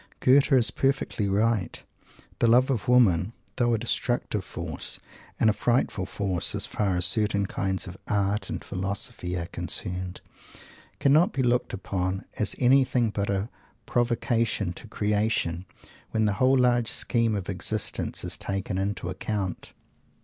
Goethe is perfectly right. The "love of women," though a destructive force, and a frightful force as far as certain kinds of "art" and "philosophy" are concerned, cannot be looked upon as anything but "a provocation to creation," when the whole large scheme of existence is taken into account.